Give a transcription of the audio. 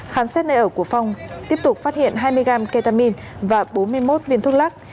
khám xét nơi ở của phong tiếp tục phát hiện hai mươi gram ketamine và bốn mươi một viên thuốc lắc